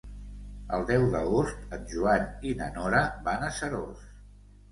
El deu d'agost en Joan i na Nora van a Seròs.